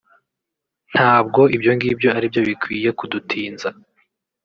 Ntabwo ibyo ngibyo ari byo bikwiye kudutinza[